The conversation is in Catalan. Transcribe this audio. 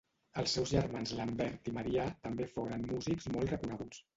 Els seus germans Lambert i Marià també foren músics molt reconeguts.